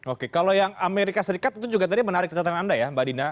oke kalau yang amerika serikat itu juga tadi menarik catatan anda ya mbak dina